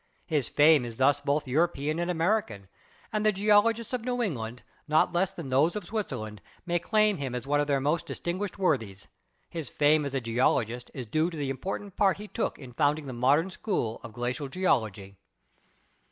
His fame is thus both European and American, and the geologists of New England, not less than those of Switzerland, may claim him as one of their most distinguished worthies. His fame as a geologist is due to the important part he took in founding the modern school of glacial geology.